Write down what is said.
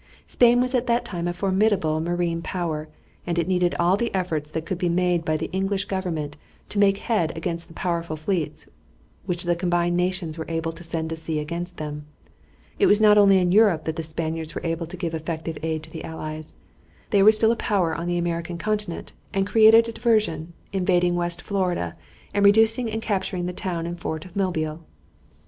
Spain was at that time a formidable marine power, and it needed all the efforts that could be made by the English government to make head against the powerful fleets which the combined nations were able to send to sea against them. It was not only in Europe that the Spaniards were able to give effective aid to the allies. They were still a power on the American continent, and created a diversion, invading West Florida and reducing and capturing the town and fort of Mobile.